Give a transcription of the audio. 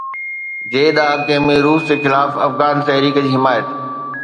جي ڏهاڪي ۾ روس جي خلاف افغان تحريڪ جي حمايت